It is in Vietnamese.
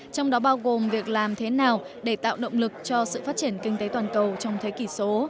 trong đó bao gồm việc làm thế nào để tạo động lực cho sự phát triển kinh tế toàn cầu trong thế kỷ số